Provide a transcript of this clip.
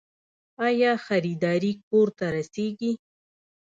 آیا خریداري کور ته رسیږي؟